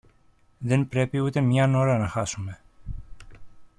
Δεν πρέπει ούτε μιαν ώρα να χάσουμε